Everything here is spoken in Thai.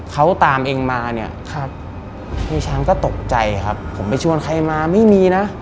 เขาตามเองมาเนี่ยครับพี่ช้างก็ตกใจครับผมไปชวนใครมาไม่มีนะ